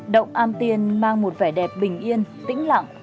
động am tiên mang một vẻ đẹp bình yên tĩnh lặng